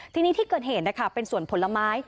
ทีนี้ที่เกิดเหตุเป็นสวนผลไม้